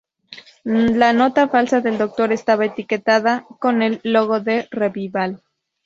La nota falsa del doctor estaba etiquetada con el logo de Revival.